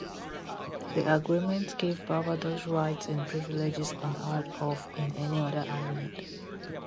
The agreement gave Barbados rights and privileges unheard of in any other Island.